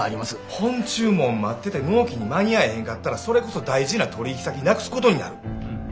本注文待ってて納期に間に合えへんかったらそれこそ大事な取引先なくすことになる。